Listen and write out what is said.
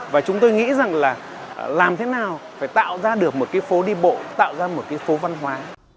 và chúng tôi nghĩ rằng là làm thế nào phải tạo ra được một cái phố đi bộ tạo ra một cái phố văn hóa